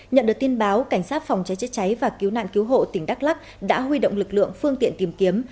nhận được tin báo cảnh sát phòng cháy chữa cháy và cứu nạn cứu hộ tỉnh đắk lắc đã huy động lực lượng phương tiện tìm kiếm